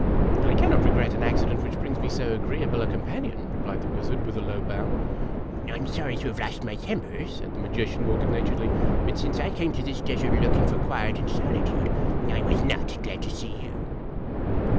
<_> o " I cannot regret an accident which brings me so agreeable a companion," replied the wizard, with a low bow. " I 'm sorry to have lost my temper," said the magician, more good naturedly ; "but, since I came to this desert looking for quiet and solitude, I was not glad to see you."